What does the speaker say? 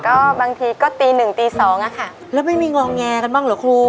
ก็บางทีก็ตีหนึ่งตีสองอะค่ะแล้วไม่มีงอแงกันบ้างเหรอครู